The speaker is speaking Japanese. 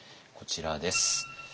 こちらです。